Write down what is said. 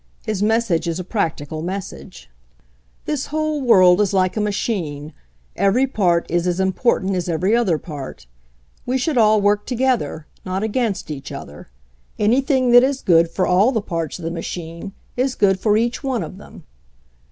His message is a practical message. 156 HENRY FORD'S OWN STORY "This whole world is like a machine— every part is as important as every other part. We should all work together, not against each other. Anything that is good for all the parts of the machine is good for each one of them.